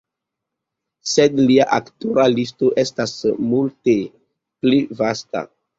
Sed lia aktora listo estas multe pli vasta.